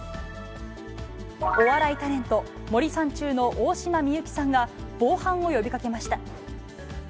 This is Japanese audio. お笑いタレント、森三中の大島美幸さんが防犯を呼びかけました。